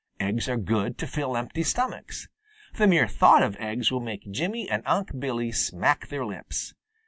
Eggs are good to fill empty stomachs. The mere thought of eggs will make Jimmy and Unc' Billy smack their lips.